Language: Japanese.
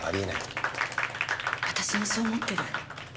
私もそう思ってる。